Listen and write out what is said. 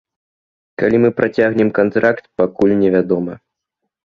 Калі мы працягнем кантракт, пакуль невядома.